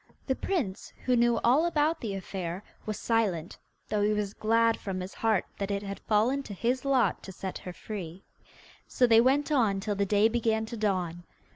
The prince, who knew all about the affair, was silent, though he was glad from his heart that it had fallen to his lot to set her free. So they went on till the day began to dawn.